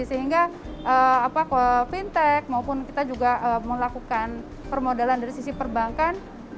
sehingga fintech maupun kita juga melakukan permodalan dari sisi perbankan